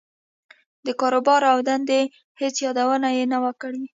د کاروبار او دندې هېڅ يادونه يې نه وه کړې.